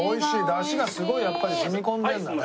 だしがすごいやっぱり染み込んでるんだね。